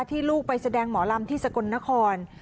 ลูกไปแสดงหมอลำที่สกลนคร